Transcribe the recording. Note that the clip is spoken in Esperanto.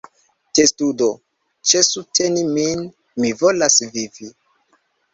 Testudo: "Ĉesu teni min! Mi volas vivi!"